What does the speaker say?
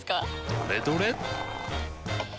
どれどれっ！